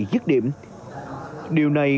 dứt điểm điều này